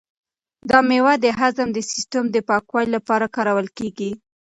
دا مېوه د هضم د سیسټم د پاکوالي لپاره کارول کیږي.